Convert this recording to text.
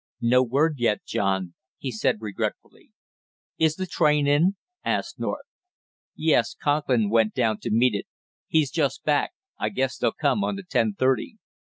"No word yet, John," he said regretfully. "Is the train in?" asked North. "Yes, Conklin went down to meet it. He's just back; I guess they'll come on the ten thirty."